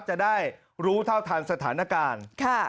จะได้รู้เท่าทันสถานการณ์